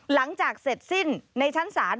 หลังจากเสร็จสิ้นในชั้นศาล